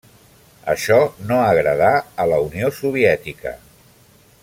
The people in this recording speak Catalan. Això no agradà a la Unió Soviètica.